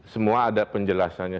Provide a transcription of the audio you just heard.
semua ada penjelasannya